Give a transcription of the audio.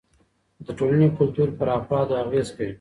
د ټولنې کلتور پر افرادو اغېز کوي.